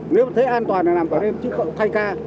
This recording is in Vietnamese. nếu thế an toàn là nằm cả đêm chứ không thay ca